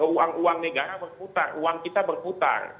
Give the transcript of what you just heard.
uang uang negara berputar uang kita berputar